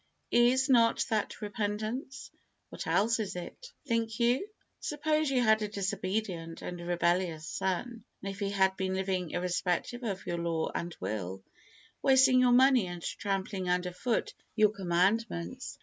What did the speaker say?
Is not that repentance? What else is it, think you? Suppose you had a disobedient and rebellious son, and he had been living irrespective of your law and will, wasting your money and trampling under foot your commandments.